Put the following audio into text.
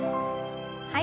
はい。